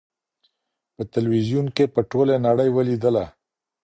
په ټلویزیون کي په ټولي نړۍ ولیدله